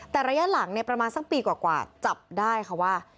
แต่ระยะหลังเนี่ยประมาณสักปีกว่าจับได้ค่ะว่า